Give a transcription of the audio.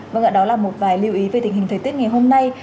và ngạc đó là một vài lưu ý về tình hình thời tiết ngày hôm nay